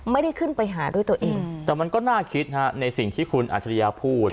ไม่ได้ขึ้นไปหาด้วยตัวเองแต่มันก็น่าคิดฮะในสิ่งที่คุณอัจฉริยะพูด